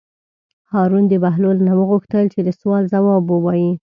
هارون د بهلول نه وغوښتل چې د سوال ځواب ووایي.